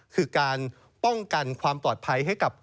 คือการป้องกันความปลอดภัยให้กับ